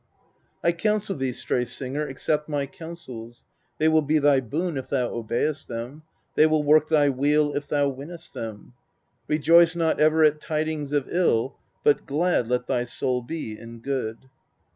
127. I counsel thee, Stray Singer, accept my counsels, they will be thy boon if thou obey'st them, they will work thy weal if thou win'st them : rejoice not ever at tidings of ill, but glad let thy soul be in good.